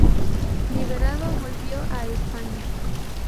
Liberado, volvió a España.